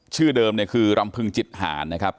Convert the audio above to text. ชื่อเดิมเนี่ยคือรำพึงจิตหารนะครับ